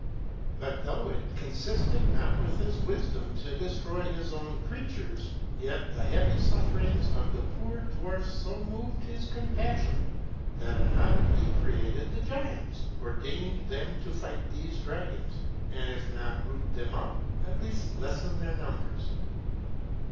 But though it consisted not with his wisdom to destroy his own creatures, yet the heavy sufferings of the poor dwarfs so moved his compassion, that anon he created the giants, ordaining them to fight these drag ons, and, if not root them out, at least lessen their numbers.